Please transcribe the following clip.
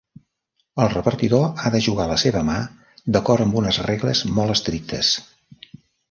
El repartidor ha de jugar la seva mà d'acord amb unes regles molt estrictes.